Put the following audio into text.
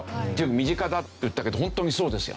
「身近だ」って言ったけどホントにそうですよ。